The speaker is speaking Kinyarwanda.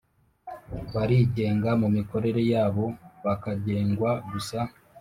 Barigenga mu mikorere yabo bakagengwa gusa